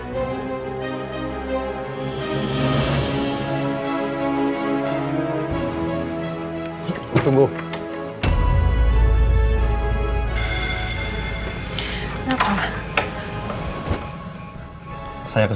saya tidak percaya sama kamu